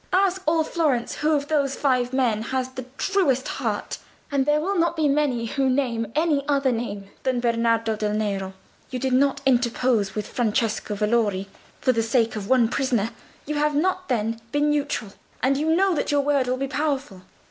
Ask all Florence who of those five men has the truest heart, and there will not be many who will name any other name than Bernardo del Nero. You did interpose with Francesco Valori for the sake of one prisoner: you have not then been neutral; and you know that your word will be powerful."